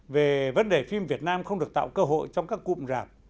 về vấn đề phim việt nam không được tạo cơ hội trong các cụm rạp